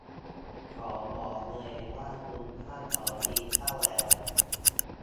ขอบอกเลยว่าคุณพลาดของดีเข้าแล้ว